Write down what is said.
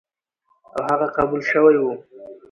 او هغه قبول شوی و،